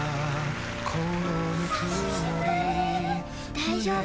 大丈夫。